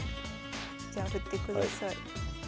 じゃあ振ってください。